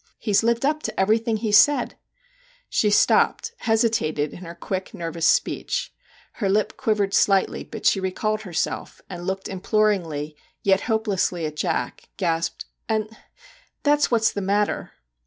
He 's lived up to everything he's said/ She stopped, hesitated in her quick, nervous speech her lip quivered slightly, but she recalled herself, and looking imploringly, yet hopelessly, at Jack, gasped, ' And that 's what 's the matter